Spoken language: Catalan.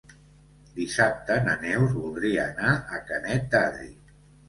Dissabte na Neus voldria anar a Canet d'Adri.